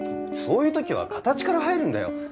そういう時は形から入るんだよ。